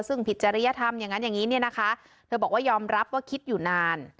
ซึ่งผิดจริยธรรมอย่างนั้นอย่างนี้เนี่ยนะคะเธอบอกว่ายอมรับว่าคิดอยู่นาน